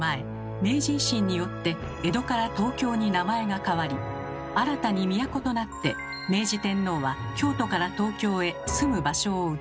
明治維新によって「江戸」から「東京」に名前が変わり新たに都となって明治天皇は京都から東京へ住む場所を移しました。